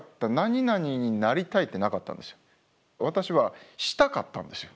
私はしたかったんですよ。